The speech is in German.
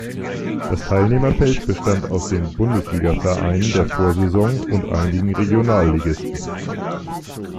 Das Teilnehmerfeld bestand aus den Bundesligavereinen der Vorsaison und einigen Regionalligisten.